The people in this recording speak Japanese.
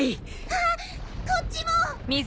あっこっちも！